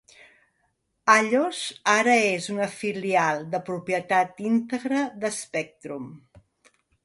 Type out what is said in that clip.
Allos ara és una filial de propietat íntegra d"Spectrum.